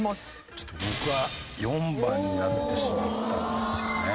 ちょっと僕は４番になってしまったんですよね。